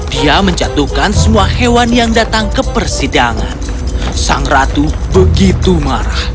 dia menjatuhkan semua hewan yang datang ke persidangan sang ratu begitu marah